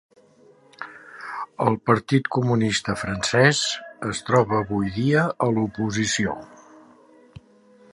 El Partit Comunista Francès es troba avui dia a l'oposició.